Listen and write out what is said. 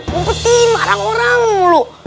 mempeti marang orang mulu